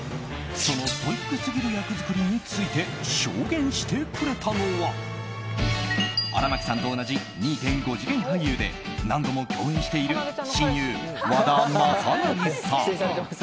そのストイックすぎる役作りについて証言してくれたのは荒牧さんと同じ２．５次元俳優で何度も共演している親友和田雅成さん。